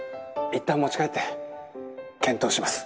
いったん持ち帰って検討します。